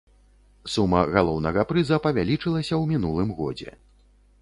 Сума галоўнага прыза павялічылася ў мінулым годзе.